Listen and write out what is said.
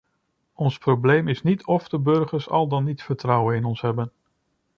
Ons probleem is niet of de burgers al dan niet vertrouwen in ons hebben.